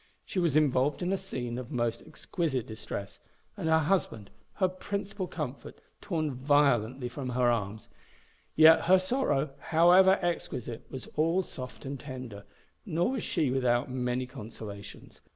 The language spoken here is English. She was involved in a scene of most exquisite distress, and her husband, her principal comfort, torn violently from her arms; yet her sorrow, however exquisite, was all soft and tender, nor was she without many consolations.